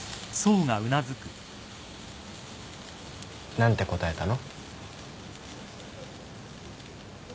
何て答えたの？